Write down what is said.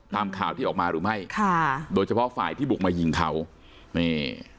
ตามข่าวที่ออกมาหรือไม่ค่ะโดยเฉพาะฝ่ายที่บุกมายิงเขานี่